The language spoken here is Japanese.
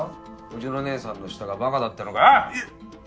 うちの姐さんの舌がバカだってのか？